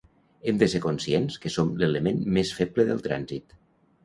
Hem de ser conscients que som l'element més feble del trànsit.